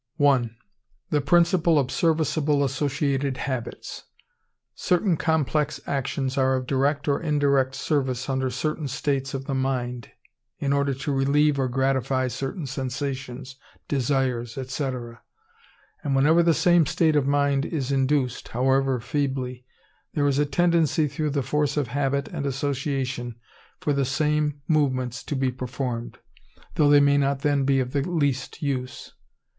I. The principle of serviceable associated Habits.—Certain complex actions are of direct or indirect service under certain states of the mind, in order to relieve or gratify certain sensations, desires, &c. and whenever the same state of mind is induced, however feebly, there is a tendency through the force of habit and association for the same movements to be performed, though they may not then be of the least use.